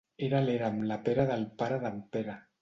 Era a l'era amb la pera del pare d'en Pere.